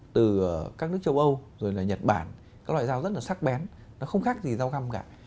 từ các nước châu âu rồi là nhật bản các loại dao rất là sắc bén nó không khác gì dao găm cả